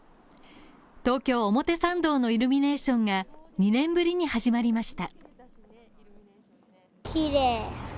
東京表参道のイルミネーションが２年ぶりに始まりました。